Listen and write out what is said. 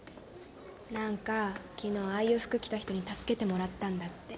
何か昨日ああいう服着た人に助けてもらったんだって。